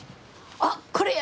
「あっこれや！」